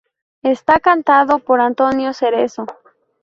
Está cantado por Antonio Cerezo.